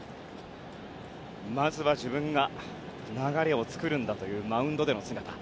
まずは自分が流れを作るんだというマウンドでの姿。